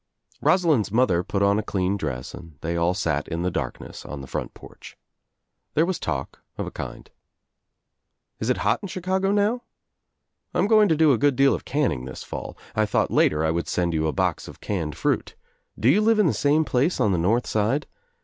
Rosalind's mother put on a clean dress and they all sat in the darkness on the front porch. There •was talk, of a kind. "Is it hot in Chicago now? I'm Eoing to do a good deal of canning this fall. I thought later I would send you a box of canned fruit. Do you live in the same place on the North Side?